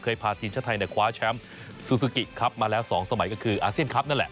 พาทีมชาติไทยคว้าแชมป์ซูซูกิครับมาแล้ว๒สมัยก็คืออาเซียนคลับนั่นแหละ